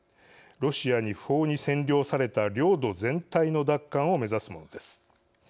ロシアに不法に占領された領土全体の奪還を目指すものです。